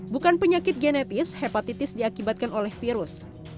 bukan penyakit genetis hepatitis diakibatkan oleh virus